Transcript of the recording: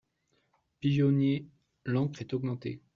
Pigeonnier L'encre est augmentée.